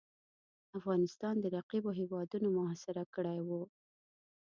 افغانستان د رقیبو هیوادونو محاصره کړی وو.